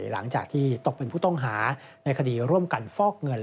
หลังจากที่ตกเป็นผู้ต้องหาในคดีร่วมกันฟอกเงิน